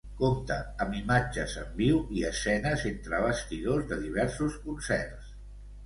Compta amb imatges en viu i escenes entre bastidors de diversos concerts.